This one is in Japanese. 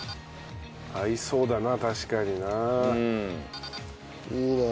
合いそうだな確かにな。いいね。